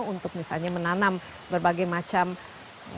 untuk misalnya menanam berbagai macam